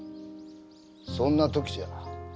そんな時じゃ。